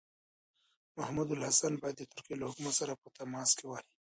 محمودالحسن باید د ترکیې له حکومت سره په تماس کې وای.